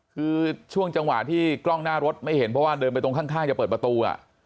คือช่วงจังหวะที่กล้องหน้ารถไม่เห็นเพราะว่าเดินไปตรงข้างจะเปิดประตู